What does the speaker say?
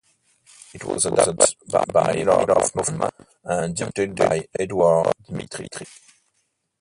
It was adapted by Millard Kaufman and directed by Edward Dmytryk.